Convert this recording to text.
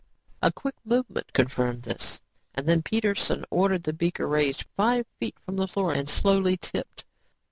A quick movement confirmed this and then Peterson ordered the beaker raised five feet from the floor and slowly tipped.